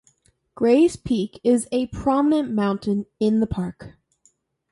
Grays Peak is a prominent mountain in the park.